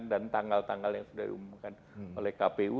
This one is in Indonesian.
dan tanggal tanggal yang sudah diumumkan oleh kpu